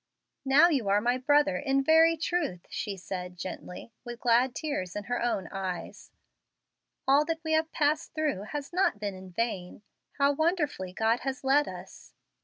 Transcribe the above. "Now you are my brother in very truth," she said, gently, with glad tears in her own eyes. "All that we have passed through has not been in vain. How wonderfully God has led us!"